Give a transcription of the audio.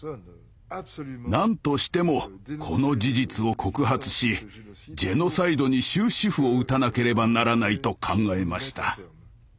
なんとしてもこの事実を告発しジェノサイドに終止符を打たなければならないと考えました。